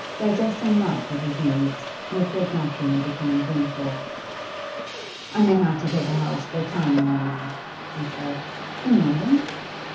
Digesting much at his ease, Richard naturally became dreamful. 'I may have to take a house for a time now and then,' he said. 'In London?